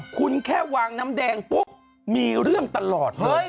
คุณแค่วางน้ำแดงปุ๊บมีเรื่องตลอดเลย